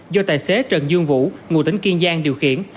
do tài xế trần dương vũ ngụ tỉnh kiên giang điều khiển